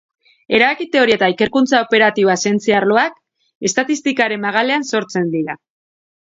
Erabaki-teoria eta ikerkuntza operatiboa zientzia arloak estatistikaren magalean sortzen dira.